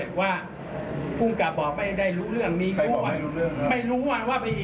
หมายถึงแฟนปลายเนี่ยจะบันทึกว่าไงล่ะ